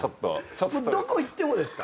どこ行ってもですか。